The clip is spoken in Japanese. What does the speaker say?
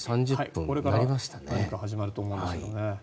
これから始まると思うんですけどね。